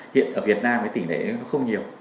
hiện ở việt nam tỉ lệ không nhiều